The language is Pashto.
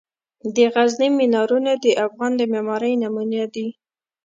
د غزني مینارونه د افغان د معمارۍ نمونه دي.